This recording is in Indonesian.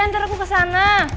nanti aku akan ke sana